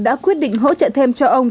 đã quyết định hỗ trợ thêm cho ông